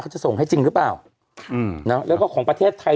เขาจะส่งให้จริงหรือเปล่าอืมเนอะแล้วก็ของประเทศไทย